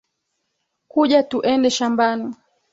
Kuja tuende shambani